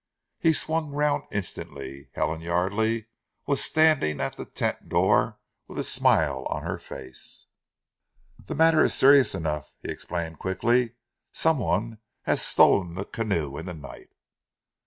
He swung round instantly. Helen Yardely was standing at the tent door with a smile on her face. "The matter is serious enough," he explained quickly. "Some one has stolen the canoe in the night."